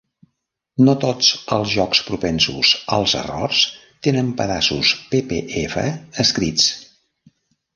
No tots els jocs propensos als errors tenen pedaços ppf escrits.